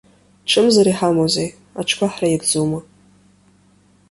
Ҽымзар иҳамоузеи, аҽқәа ҳреигӡома?